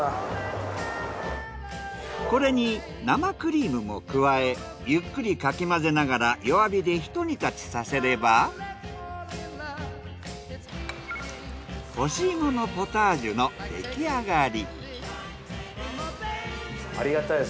これに生クリームも加えゆっくりかき混ぜながら弱火でひと煮立ちさせれば干し芋のポタージュの出来上がり。